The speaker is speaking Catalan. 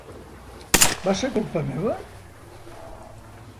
Va ser culpa meva?